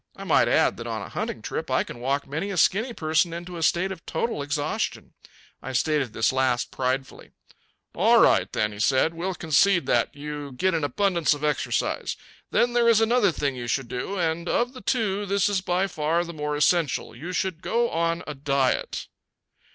I might add that on a hunting trip I can walk many a skinny person into a state of total exhaustion." I stated this last pridefully. "All right for that, then," he said. "We'll concede that you get an abundance of exercise. Then there is another thing you should do, and of the two this is by far the more essential you should go on a diet."